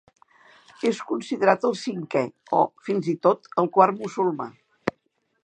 És considerat el cinquè o, fins i tot, el quart musulmà.